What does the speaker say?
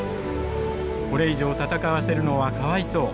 「これ以上戦わせるのはかわいそう。